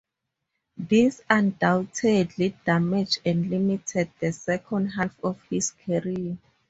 This undoubtedly damaged and limited the second half of his career.